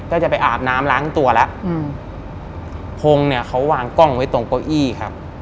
ก็จะไปอาบน้ำล้างตัวแล้วอืมพงเนี่ยเขาวางกล้องไว้ตรงเก้าอี้ครับ